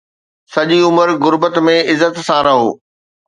سڄي عمر غربت ۾ عزت سان رهو